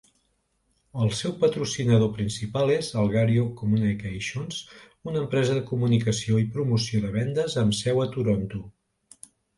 El seu patrocinador principal és Algario Communications, una empresa de comunicació i promoció de vendes amb seu a Toronto.